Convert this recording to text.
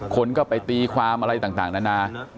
คนก็ไปตีความอะไรต่างนานา